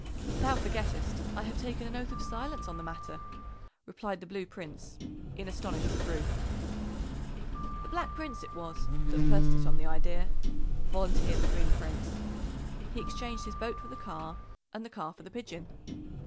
"Thou forgettest I have taken an oath of silence on the matter," replied the Blue Prince in astonished reproof. "The Black Prince it was that first hit on the idea," volunteered the Green Prince. "He exchanged his boat for the car and the car for the pigeon."